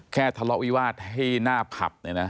แค่ทะเลาะวิวาดให้หน้าผับ